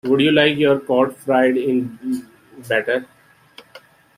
Would you like your cod fried in batter?